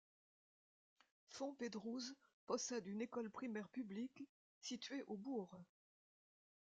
Fontpédrouse possède une école primaire publique, située au bourg.